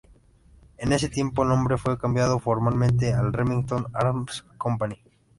En ese tiempo el nombre fue cambiado formalmente a Remington Arms Company.